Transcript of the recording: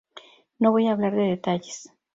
No voy a hablar de detalles.